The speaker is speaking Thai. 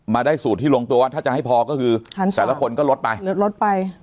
มาได้สูตรที่ลงตัวถ้าจะให้พอก็คือหารสองแต่ละคนก็ลดไปลดไป